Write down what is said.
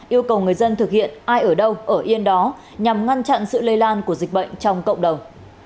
yêu cầu người dân thực hiện ai ở đâu ở yên đó nhằm ngăn chặn sự lây lan của dịch bệnh trong cộng đồng